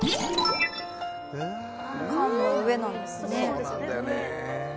缶の上なんですよね。